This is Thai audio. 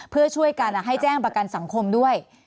เพื่อช่วยกันให้แจ้งประกันสังคมด้วย